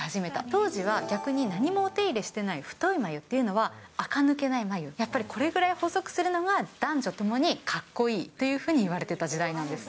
当時は、逆に何もお手入れしていない太い眉というのは、垢抜けない眉、やっぱりこれぐらい細くするのは、男女ともにかっこいいというふうにいわれてた時代なんです。